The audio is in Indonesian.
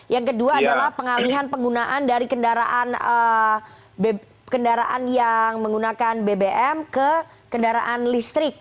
yang kedua adalah pengalihan penggunaan dari kendaraan yang menggunakan bbm ke kendaraan listrik